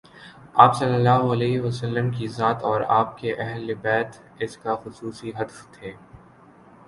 آپﷺ کی ذات اور آپ کے اہل بیت اس کاخصوصی ہدف تھے۔